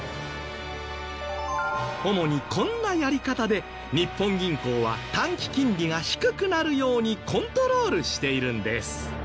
主にこんなやり方で日本銀行は短期金利が低くなるようにコントロールしているんです。